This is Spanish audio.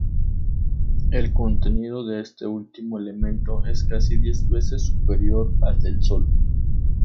El contenido de este último elemento es casi diez veces superior al del Sol.